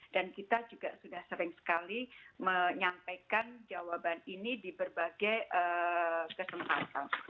dan kita juga sudah sering sekali menyampaikan jawaban ini di berbagai kesempatan